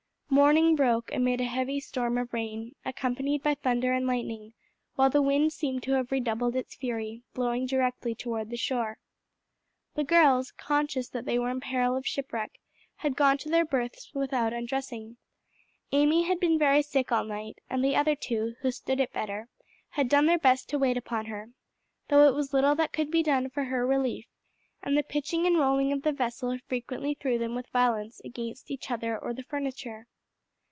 Morning broke amid a heavy storm of rain, accompanied by thunder and lightning, while the wind seemed to have redoubled its fury, blowing directly toward the shore. The girls, conscious that they were in peril of shipwreck, had gone to their berths without undressing. Amy had been very sick all night, and the other two, who stood it better, had done their best to wait upon her, though it was little that could be done for her relief, and the pitching and rolling of the vessel frequently threw them with violence against each other or the furniture.